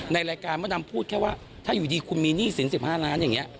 ในรายการมดำพูดแค่ว่าถ้าอยู่ดีคุณมีหนี้สิน๑๕ล้านอย่างนี้